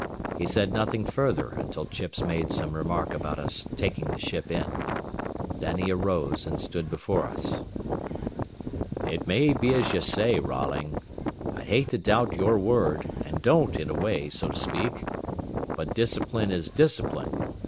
He said nothing further until Chips made some remark about his taking the ship in. Then he arose and stood before us. "It may be as ye say, Rolling. I'd hate to doubt your word, and don't, in a way, so to speak. But discipline is discipline.